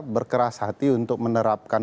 berkeras hati untuk menerapkan